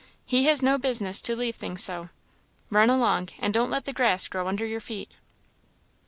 he has no business to leave things so. Run along, and don't let the grass grow under your feet!"